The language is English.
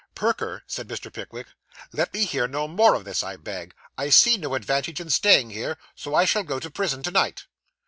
'Perker,' said Mr. Pickwick, 'let me hear no more of this, I beg. I see no advantage in staying here, so I shall go to prison to night.